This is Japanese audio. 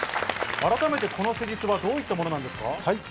改めて、この施術はどういったものなんですか？